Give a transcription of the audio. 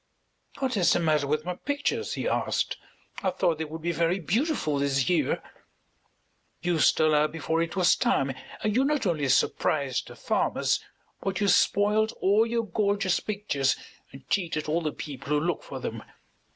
"What is the matter with my pictures?" he asked. "I thought they would be very beautiful this year." "You stole out before it was time, and you not only surprised the farmers, but you spoiled all your gorgeous pictures and cheated all the people who look for them.